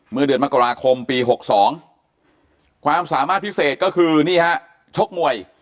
เมื่อเดือนมกราคมปี๖๒ความสามารถพิเศษก็คือนี่ฮะชกมวย